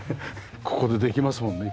ここでできますもんね